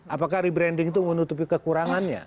apakah rebranding itu menutupi kekurangannya